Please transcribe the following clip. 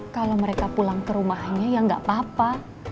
kalau mereka pulang ke rumahnya ya nggak apa apa